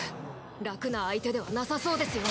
楽な相手ではなさそうですよ。